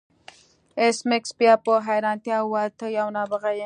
ایس میکس بیا په حیرانتیا وویل ته یو نابغه یې